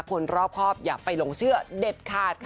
คนรอบครอบอย่าไปหลงเชื่อเด็ดขาดค่ะ